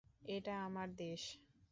এটা আমার দেশ।